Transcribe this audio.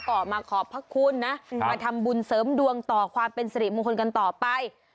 ก็มาขอบพระคุณนะมาทำบุญเสริมดวงต่อความเป็นสิริมงคลกันต่อไป